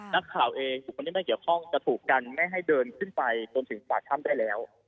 นักข่าวเองบุคคลที่ไม่เกี่ยวข้องจะถูกกันไม่ให้เดินขึ้นไปจนถึงปากถ้ำได้แล้ว